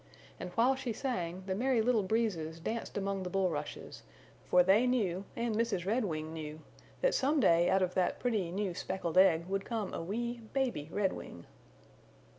And while she sang the Merry Little Breezes danced among the bulrushes, for they knew, and Mrs. Redwing knew, that some day out of that pretty new speckled egg would come a wee baby Redwing.